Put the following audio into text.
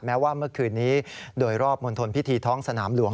แม้ว่าเมื่อคืนนี้โดยรอบมณฑลพิธีท้องสนามหลวง